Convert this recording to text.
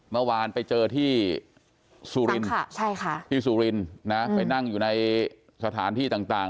เมื่อวานไปเจอที่สุรินที่สุรินทร์นะไปนั่งอยู่ในสถานที่ต่าง